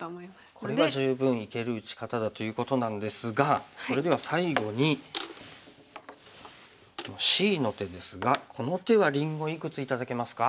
これは十分いける打ち方だということなんですがそれでは最後にこのＣの手ですがこの手はりんごいくつ頂けますか？